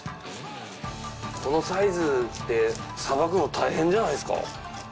このサイズってさばくの大変じゃないですか？